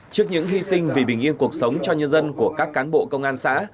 trước những hy sinh vì bình yên cuộc sống cho nhân dân của các cán bộ công an xã